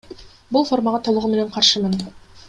Бул формага толугу менен каршымын.